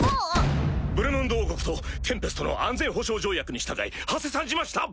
・ブルムンド王国とテンペストの安全保障条約に従いはせ参じました！